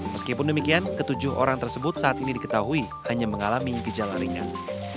meskipun demikian ketujuh orang tersebut saat ini diketahui hanya mengalami gejala ringan